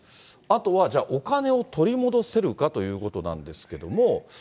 あとはじゃあ、お金を取り戻せるかということなんですけども。